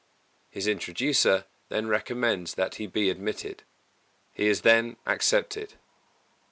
His introducer then recommends that he be admitted. He is then accepted.